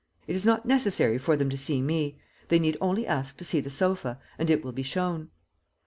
It is not necessary for them to see me; they need only ask to see the sofa, and it will be shown.